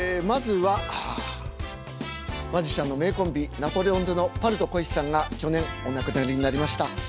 まずはマジシャンの名コンビナポレオンズのパルト小石さんが去年お亡くなりになりました。